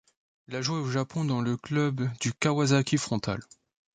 Il a joué au Japon dans le club du Kawasaki Frontale.